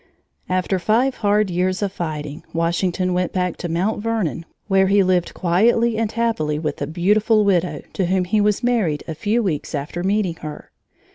After five hard years of fighting, Washington went back to Mount Vernon, where he lived quietly and happily with a beautiful widow to whom he was married a few weeks after meeting her.